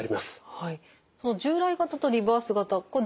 はい。